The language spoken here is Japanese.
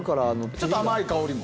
ちょっと甘い香りも。